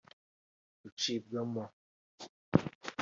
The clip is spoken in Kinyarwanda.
gucibwamo